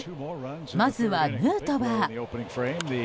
まずはヌートバー。